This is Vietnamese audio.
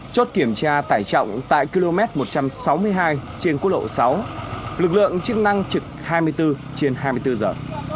chốt kiểm tra tải trọng tại km một trăm sáu mươi hai trên quốc lộ sáu lực lượng chức năng trực hai mươi bốn trên hai mươi bốn giờ